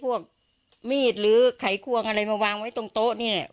เตรียมการมาเนี้ยเขาก็เอาไอ้พวกมีดหรือไขควงอะไรมาวางไว้ตรงโต๊ะนี่เนี้ย